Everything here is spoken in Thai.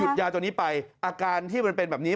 ยาตัวนี้ไปอาการที่มันเป็นแบบนี้